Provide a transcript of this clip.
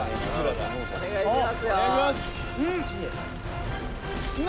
お願いします！